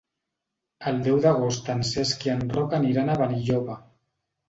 El deu d'agost en Cesc i en Roc aniran a Benilloba.